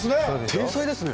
天才ですね！